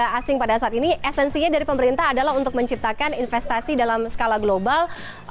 asing pada saat ini esensinya dari pemerintah adalah untuk menciptakan investasi dalam skala global